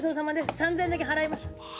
３０００円だけ払います。